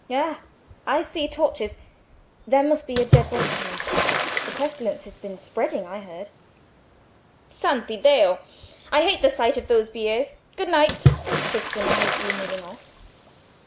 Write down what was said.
Ha! I see torches: there must be a dead body coming. The pestilence has been spreading, I hear." "Santiddio! I hate the sight of those biers. Good night," said Spini, hastily moving off.